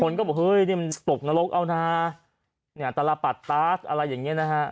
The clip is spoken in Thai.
คนก็บอกเฮ้ยนี่มันตกนรกเอานะเนี่ยตลปัดตาสอะไรอย่างเงี้นะฮะ